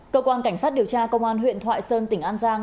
cơ quan cảnh sát điều tra công an huyện thoại sơn tỉnh an giang